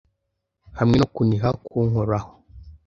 hamwe no kuniha kunkoraho